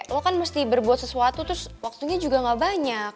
lo kan mesti berbuat sesuatu terus waktunya juga gak banyak